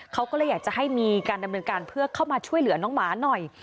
เขาก็เลยอยากจะให้มีการดำเนินการเพื่อเข้ามาช่วยเหลือน้องหมาหน่อย